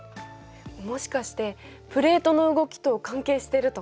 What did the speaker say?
もしかしてプレートの動きと関係してるとか？